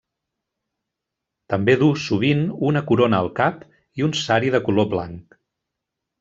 També duu sovint una corona al cap i un sari de color blanc.